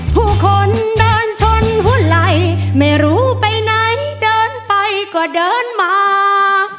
ผู้คนเดินชนหุ้นไหล่ไม่รู้ไปไหนเดินไปก็เดินมา